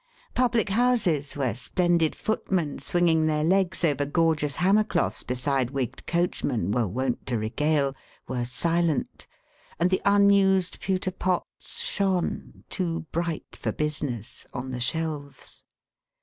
Public Houses, where splendid footmen swinging their legs over gorgeous hammer cloths beside wigged coachmen were wont to regale, were silent, and the unused pewter pots shone, too bright for business, on the shelves.